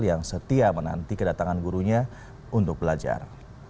yang setia menanti kedatangan gurunya untuk belajar